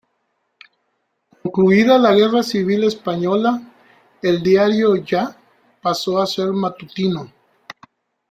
Concluida la Guerra Civil Española, el diario "Ya" pasó a ser matutino.